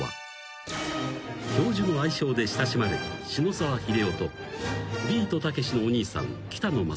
［教授の愛称で親しまれた篠沢秀夫とビートたけしのお兄さん北野大］